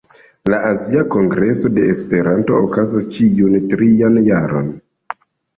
La Azia Kongreso de Esperanto okazas ĉiun trian jaron.